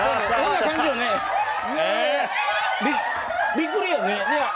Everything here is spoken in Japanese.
びっくりよね。